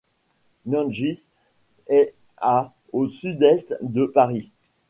Nangis est à au sud-est de Paris.